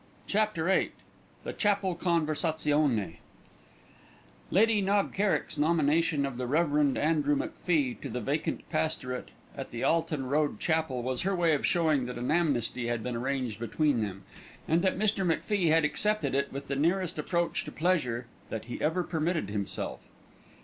CHAPTER VIII THE CHAPEL CONVERSAZIONE Lady Knob Kerrick's nomination of the Rev. Andrew MacFie to the vacant pastorate at the Alton Road Chapel was her way of showing that an amnesty had been arranged between them, and Mr. MacFie had accepted it with the nearest approach to pleasure that he ever permitted himself.